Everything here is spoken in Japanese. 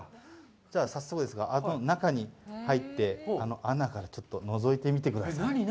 じゃあ早速ですが、あの中に入って、穴からちょっとのぞいてみてください。